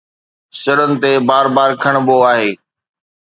سرن تي بار بار کڻبو آهي